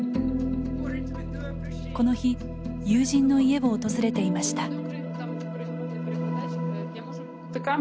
この日友人の家を訪れていました。